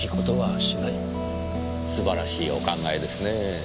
素晴らしいお考えですね。